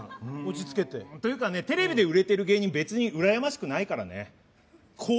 テレビで売れてる芸人、別にうらやましくないからな。